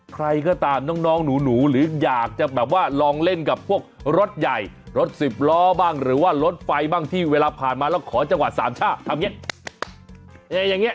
ใครก็ตามน้องหนูหรืออยากจะรองเล่นกับพวกรถใหญ่รถสิบล้อบ้างหรือรถไฟบ้างที่เวลาผ่านมาขอจังหวัด๓ชาห์ทำยังงี้